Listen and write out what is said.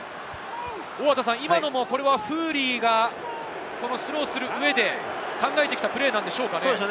今のもフーリーがスローする上で考えてきたプレーなのでしょうか？